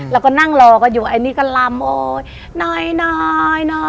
แล้วก็นั่งรอกันอยู่อันนี้ก็ลำโอ๊ยน้อย